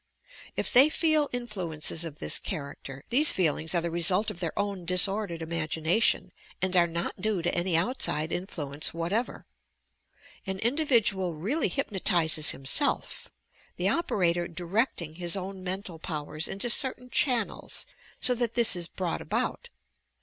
If they feel influences of this character, these feelings are the result of their own disordered imagination, and are not due to any outside influence whatever. An individual really hypno tizes himself, the operator directing his own mental powers into certain channels so that this is brought about.